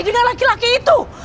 dengan laki laki itu